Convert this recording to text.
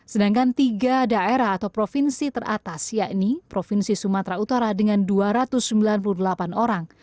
sedangkan tiga daerah atau provinsi teratas yakni provinsi sumatera utara dengan dua ratus sembilan puluh delapan orang